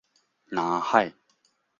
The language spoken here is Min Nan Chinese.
藍海